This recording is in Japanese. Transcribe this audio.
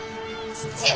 父上！